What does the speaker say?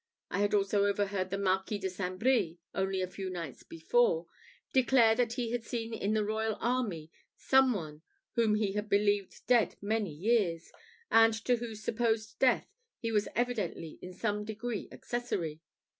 I had also overheard the Marquis de St. Brie, only a few nights before, declare that he had seen in the royal army some one whom he had believed dead many years, and to whose supposed death he was evidently in some degree accessory.